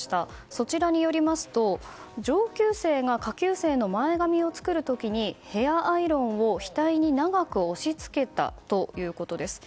そちらによりますと上級生が下級生の前髪を作る時にヘアアイロンを額に長く押し付けたということです。